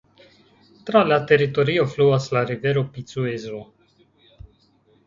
Tra la teritorio fluas la rivero Picuezo.